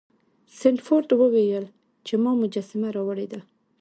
سنډفورډ وویل چې ما مجسمه راوړې ده.